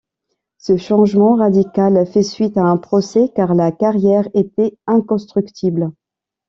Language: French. Ce changement radical fait suite à un procès, car la carrière était inconstructible.